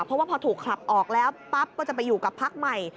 เพราะว่าพอถูกคลับออกแล้วปั๊บก็จะไปอยู่กับพักใหม่